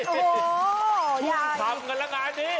นี่ทำกันละงานนี้